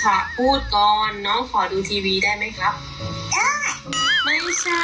ขอพูดก่อนน้องขอดูทีวีได้ไหมครับ